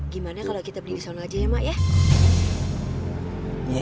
gimana kalau kita beli isono aja ya mak ya